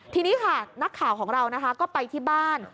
ทีนี้ค่ะนักข่าวของเรานะคะก็ไปที่บ้าน